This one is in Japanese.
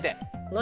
何？